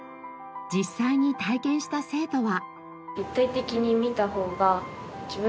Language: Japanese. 実際に体験した生徒は。